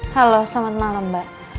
halo selamat malam mbak